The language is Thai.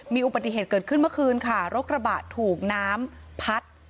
มีอุบัติเหตุเกิดขึ้นเมื่อคืนค่ะรถกระบะถูกน้ำพัด